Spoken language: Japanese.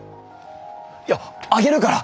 いやあげるから！